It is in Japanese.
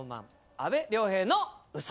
阿部亮平の嘘。